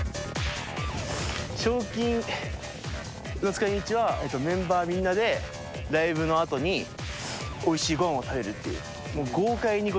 賞金の使い道はメンバーみんなでライブの後においしいご飯を食べるっていう。